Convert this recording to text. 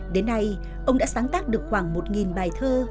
đến nay ông đã sáng tác được khoảng một bài thơ